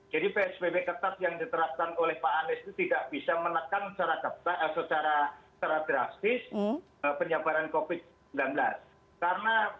jadi psbb ketat yang diterapkan oleh pak anies itu tidak bisa menekan secara drastis penyebaran covid sembilan belas